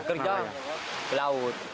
kerja ke laut